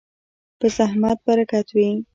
په زحمت برکت وي.